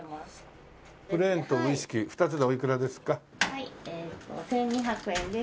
はい１２００円です。